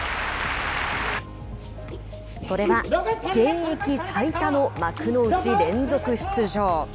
それは現役最多の幕内連続出場。